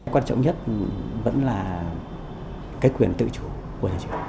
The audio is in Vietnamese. quan trọng nhất vẫn là cái quyền tự chủ của nhà trường